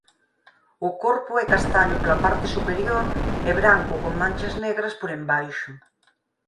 O corpo é castaño pola parte superior e branco con manchas negras por embaixo.